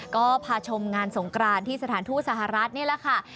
ก็พาชมงานสงกรานที่สถานทูตสหรัฐนี่แหละค่ะ